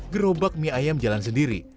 gerobak mie ayam jalan sendiri